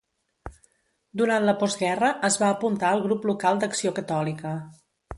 Durant la Postguerra es va apuntar al grup local d'Acció Catòlica.